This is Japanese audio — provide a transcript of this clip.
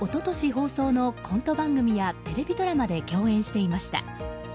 放送のコント番組やテレビドラマで共演していました。